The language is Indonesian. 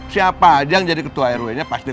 siapa aja yang jadi ketua airwaysnya pasti